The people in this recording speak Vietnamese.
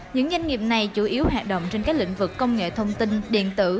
những doanh nghiệp này chủ yếu hoạt động trên các lĩnh vực công nghệ thông tin điện tử